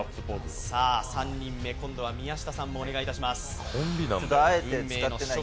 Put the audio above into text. ３人目、今度は宮下さんもお願いします。